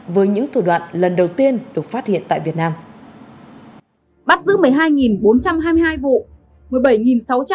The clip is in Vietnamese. với những thủ đoạn lần đầu tiên được phát hiện tại việt nam